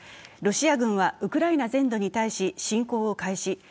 ロシア軍はウクライナ全土に対し侵攻を開始。